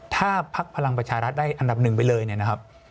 ถ้าพักพลังประชารัฐได้อันดับหนึ่งไปเลยเนี่ยนะครับ